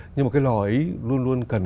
nhưng mà cái lò ấy luôn luôn cần có